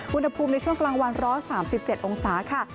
อุณหภูมิในช่วงกลางวันร้อน๓๗องศาค่ะ